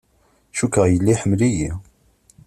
Cukkeɣ yella iḥemmel-iyi.